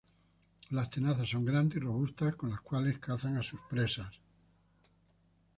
Las tenazas son grandes y robustas, con las cuales cazan a sus presas.